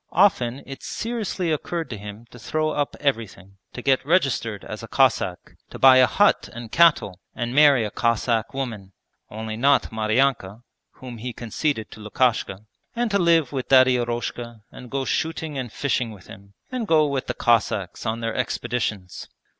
Often it seriously occurred to him to throw up everything, to get registered as a Cossack, to buy a hut and cattle and marry a Cossack woman (only not Maryanka, whom he conceded to Lukashka), and to live with Daddy Eroshka and go shooting and fishing with him, and go with the Cossacks on their expeditions.